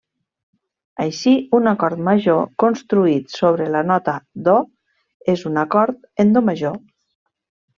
Així, un acord major, construït sobre la nota do, és un acord en do major.